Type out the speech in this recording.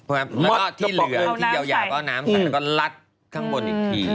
แล้วก็ที่เหลือที่ยาวก็เอาน้ำใส่แล้วก็ลัดข้างบนอีกที